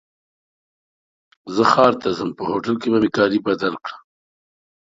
زه ښار ته ځم په هوټل کي به مي کالي بدل کړم.